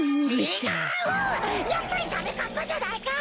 やっぱりダメかっぱじゃないか！